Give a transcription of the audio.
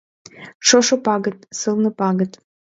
Шошо пагыт, сылне пагыт —